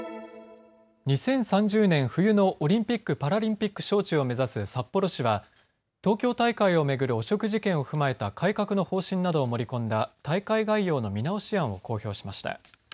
２０３０年冬のオリンピック・パラリンピック招致を目指す札幌市は東京大会を巡る汚職事件を踏まえた改革の方針などを盛り込んだ大会概要の見直し案を公表しました。